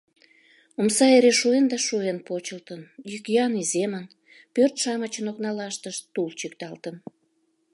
Омса эре шуэн да шуэн почылтын, йӱк-йӱан иземын, пӧрт-шамычын окналаштышт тул чӱкталтын.